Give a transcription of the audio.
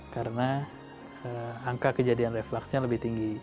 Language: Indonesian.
karena angka kejadian refluxnya lebih tinggi